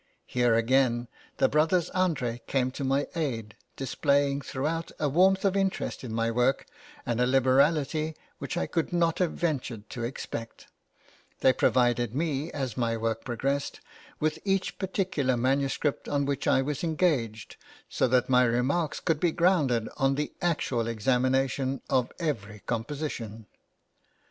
Here again, the brothers André came to my aid, displaying throughout a warmth of interest in my work, and a liberality which I could not have ventured to expect; they provided me, as my work progressed, with each particular manuscript on which I was engaged, so that my remarks could be grounded on the actual examination of every composition.